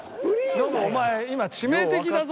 ノブお前今致命的だぞ。